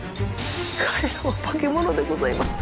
彼らは化け物でございます。